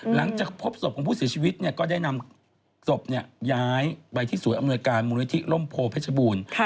หลังจากพบศพของผู้ศือชีวิตก็ได้นำศพย้ายไปที่สู่อำนวยการมุมนิธิล่มโพธิพระชบูรณ์